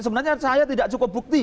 sebenarnya saya tidak cukup bukti